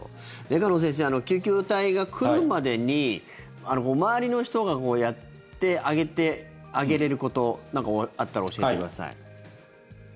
鹿野先生、救急隊が来るまでに周りの人がやってあげれること何かあったら教えてください。